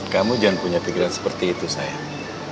kamu jangan punya pikiran seperti itu sayang